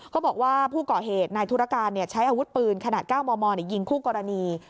เขาบอกว่าผู้ก่อเหตุนายธุรการใช้อาวุธปืนขนาด๙มมยิงคู่กรณี